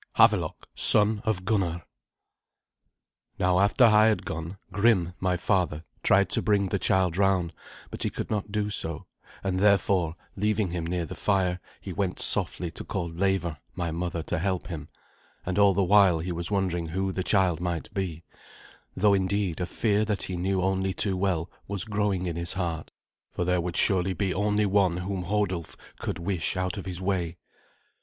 HAVELOK, SON OF GUNNAR. Now after I had gone, Grim, my father, tried to bring the child round, but he could not do so; and therefore, leaving him near the fire, he went softly to call Leva, my mother, to help him; and all the while he was wondering who the child might be, though indeed a fear that he knew only too well was growing in his heart, for there would surely he only one whom Hodulf could wish out of his way.